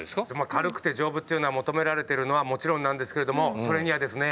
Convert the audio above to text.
軽くて丈夫っていうのが求められてるのはもちろんなんですけれどもそれにはですね